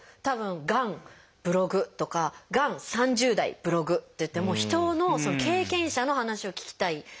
たぶん「がんブログ」とか「がん３０代ブログ」ってやって人のその経験者の話を聞きたい。